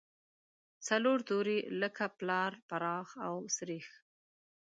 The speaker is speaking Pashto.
څلور توري لکه پلار، پراخ او سرېښ.